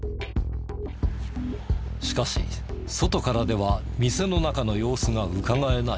しかし外からでは店の中の様子がうかがえない。